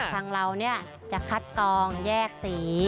ทางเราจะคัดกองแยกสี